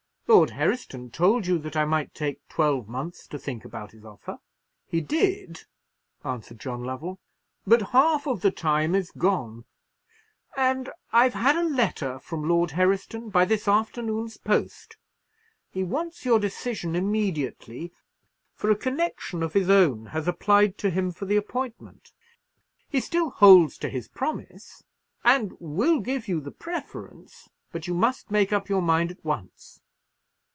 "Lord Herriston told you that I might take twelve months to think about his offer." "He did," answered John Lovell; "but half of the time is gone, and I've had a letter from Lord Herriston by this afternoon's post. He wants your decision immediately; for a connection of his own has applied to him for the appointment. He still holds to his promise, and will give you the preference; but you must make up your mind at once."